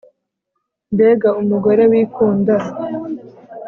Mbega umugore wikunda